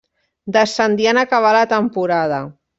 Descendí en acabar la temporada.